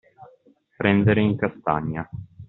Prendere in castagna.